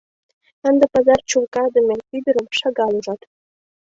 Ынде пазар чулкадыме ӱдырым шагал ужат.